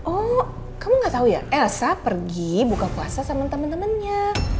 oh kamu gak tau ya elsa pergi buka puasa sama temen temennya